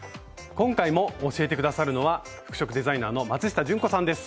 今回も教えて下さるのは服飾デザイナーの松下純子さんです。